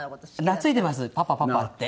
懐いてます「パパパパ」って。